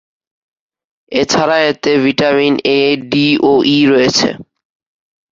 এছাড়া এতে vitamin A, D ও ই রয়েছে।